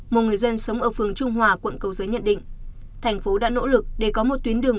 một người dân sống ở phường trung hòa quận cầu giấy nhận định thành phố đã nỗ lực để có một tuyến đường